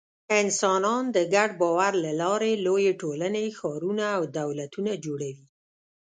انسانان د ګډ باور له لارې لویې ټولنې، ښارونه او دولتونه جوړوي.